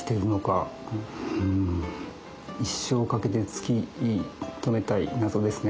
一生をかけて突き止めたい謎ですね